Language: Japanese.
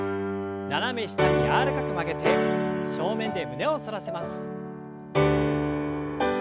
斜め下に柔らかく曲げて正面で胸を反らせます。